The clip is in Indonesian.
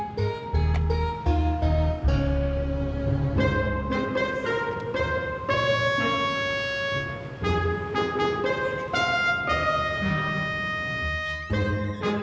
tuh tuh tuh